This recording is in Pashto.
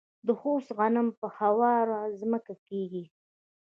د خوست غنم په هواره ځمکه کیږي.